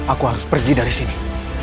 aku harus pergi dari sini